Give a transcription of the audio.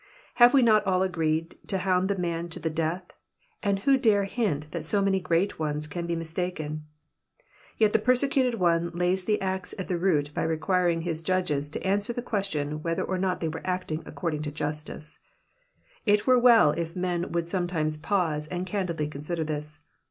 Hare we not all i^eed to hound the man to the death, and who dare hint that so many great ones can be mistaken ? Tet the persecuted one Ia3r8 the axe at the root by requiring his judges to answer the question whether or not they were acting according to justice. It were well if men would sometimes pause, and candidly consider this.